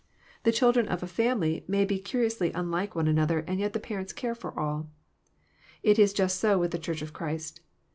The children of a family may be curiously unlike one another, and yet the parents care for all. It is just so with the Church of Christ.